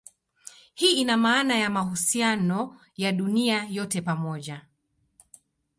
Hii ina maana ya mahusiano ya dunia yote pamoja.